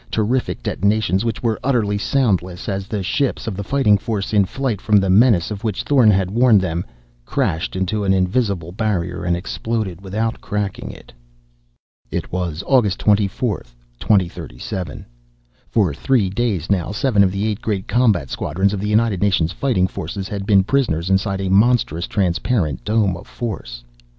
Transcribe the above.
Terrific detonations which were utterly soundless, as the ships of the Fighting Force, in flight from the menace of which Thorn had warned them, crashed into an invisible barrier and exploded without cracking it. It was August 24th, 2037. For three days, now, seven of the eight great combat squadrons of the United Nations Fighting Forces had been prisoners inside a monstrous transparent dome of force.